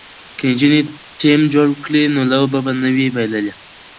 که نجونې ټیم جوړ کړي نو لوبه به نه وي بایللې.